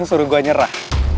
lo suruh gue nyerah